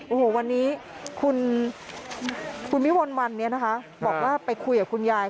โอ้โหวันนี้คุณวิมลวันเนี่ยนะคะบอกว่าไปคุยกับคุณยาย